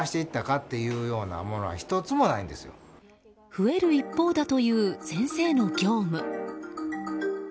増える一方だという先生の業務。